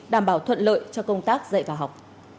đảm bảo thuận lợi cho công tác dạy và học